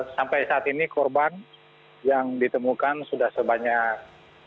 sampai saat ini korban yang ditemukan sudah sebanyak dua puluh tujuh dua puluh delapan